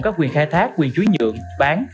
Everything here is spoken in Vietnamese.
các quyền khai thác quyền chuối nhượng bán